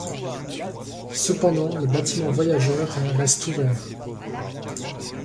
Cependant le bâtiment voyageur reste ouvert.